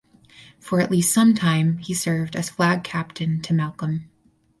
For at least some time he served as flag captain to Malcolm.